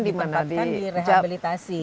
di mana ditempatkan di rehabilitasi